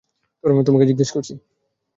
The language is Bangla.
তোমাকে জিজ্ঞেস করছি।